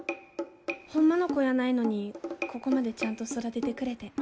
ホンマの子やないのにここまでちゃんと育ててくれて。